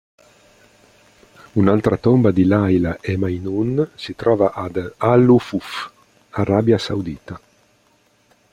Un'altra tomba di Layla e Majnun si trova ad al-Hufūf, Arabia Saudita.